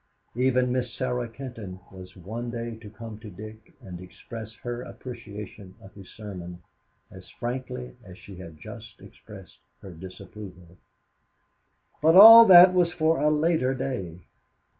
Even Miss Sarah Kenton was one day to come to Dick and express her appreciation of his sermon, as frankly as she had just expressed her disapproval. But all that was for a later day.